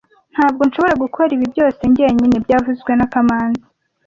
Ntabwo nshobora gukora ibi byose njyenyine byavuzwe na kamanzi